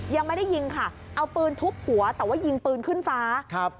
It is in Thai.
ยังไม่ได้ยิงค่ะเอาปืนทุบหัวยิงปืนขึ้นฟ้า